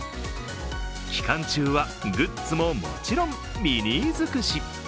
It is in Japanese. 期間中は、グッズももちろんミニー尽くし。